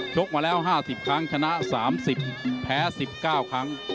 กมาแล้ว๕๐ครั้งชนะ๓๐แพ้๑๙ครั้ง